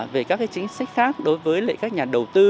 về các chính sách khác đối với các nhà đầu tư